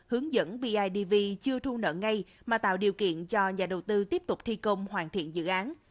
hướng dẫn bidv chưa thu nợ ngay mà tạo điều kiện cho nhà đầu tư tiếp tục thi công hoàn thiện dự án